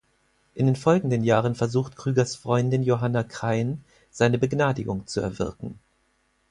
In den folgenden Jahren versucht Krügers Freundin Johanna Krain, seine Begnadigung zu erwirken.